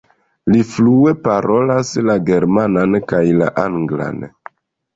Li flue parolas la germanan kaj la anglan.